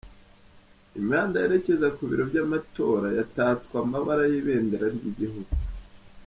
Imihanda yerekeza ku biro by'amatora yatatswe amabara y'ibendera ry'igihugu.